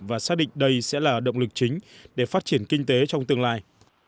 và xác định đây sẽ là động lực chính để phát triển kinh tế trong tương lai